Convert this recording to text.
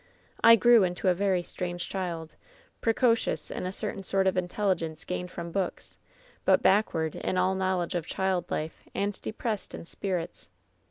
I grew into a very strange child, precodons in a certain sort of intelligence gained from books, but backward in all knowledge of child life and depressed in spirits.